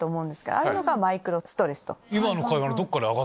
ああいうのがマイクロストレス。